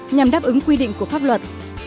nhằm đáp ứng quy định của pháp luật